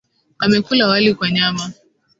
Amekula wali kwa nyama.